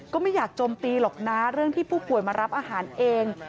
ก็ไม่อยากโจมตีหรอกนะเรื่องที่ผู้ป่วยมารับอาหารเอง